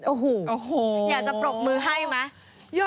โอ้โหอยากจะปรบมือให้ไหม